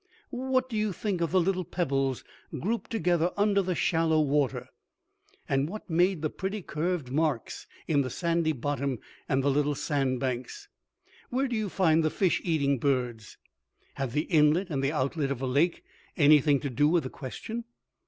"What do you think of the little pebbles grouped together under the shallow water? and what made the pretty curved marks in the sandy bottom and the little sand banks? Where do you find the fish eating birds? Have the inlet and the outlet of a lake anything to do with the question?"